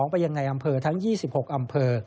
ไปยังในอำเภอทั้ง๒๖อำเภอ